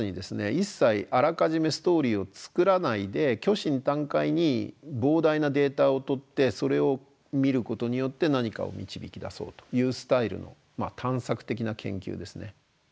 一切あらかじめストーリーを作らないで虚心坦懐に膨大なデータを取ってそれを見ることによって何かを導き出そうというスタイルの探索的な研究ですね。